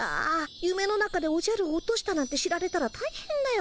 ゆめの中でおじゃるを落としたなんて知られたらたいへんだよ。